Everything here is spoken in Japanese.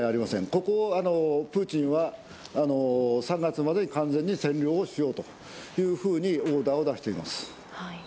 ここをプーチンは３月までに完全に占領しようというふうにオーダーを出しています。